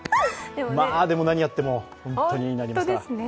でも、何やっても本当に絵になりますね。